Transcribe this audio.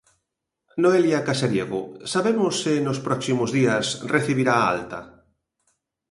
Noelia Casariego, sabemos se nos próximos días recibirá a alta?